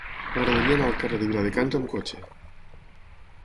M'agradaria anar al carrer de Viladecans amb cotxe.